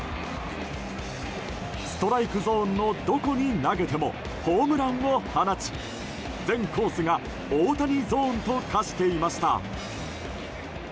ストライクゾーンのどこに投げてもホームランを放ち、全コースが大谷ゾーンと化していました。